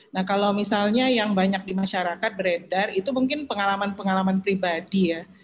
nah kalau misalnya yang banyak di masyarakat beredar itu mungkin pengalaman pengalaman pribadi ya